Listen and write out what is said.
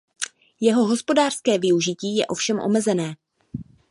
Jeho hospodářské využití je ovšem omezené.